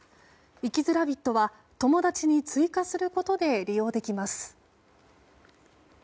生きづらびっとは、友達に追加することで利用できます。